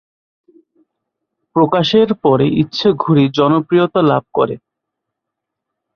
প্রকাশের পরে, "ইচ্ছে ঘুড়ি" জনপ্রিয়তা লাভ করে।